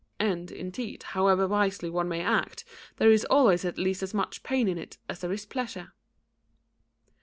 And, indeed, however wisely one may act, there is always at least as much pain in it as there is pleasure."